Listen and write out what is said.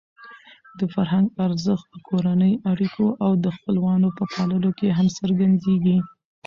د فرهنګ ارزښت په کورنۍ اړیکو او د خپلوانو په پاللو کې هم څرګندېږي.